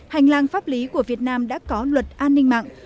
hành lang pháp lý của việt nam đã có luật an ninh mạng